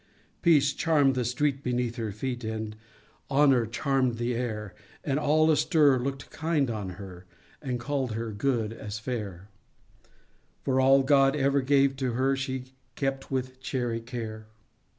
Peace charm'd the street beneath her feet, And Honor charm'd the air; And all astir looked kind on her, And called her good as fair— For all God ever gave to her She kept with chary care.